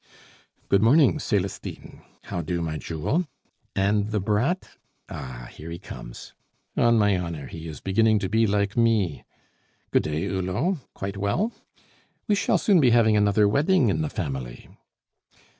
Good morning, Celestine. How do, my jewel! And the brat? Ah! here he comes; on my honor, he is beginning to be like me! Good day, Hulot quite well? We shall soon be having another wedding in the family."